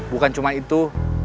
bukan cuma itu